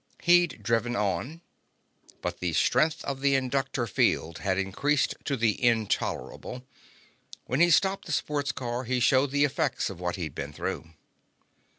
He'd driven on. But the strength of the inductor field had increased to the intolerable. When he stopped the sports car he showed the effects of what he'd been through.